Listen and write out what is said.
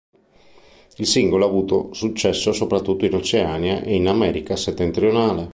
Il singolo ha avuto successo soprattutto in Oceania e in America Settentrionale.